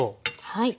はい。